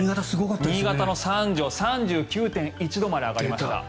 新潟の三条３９．１度まで上がりました。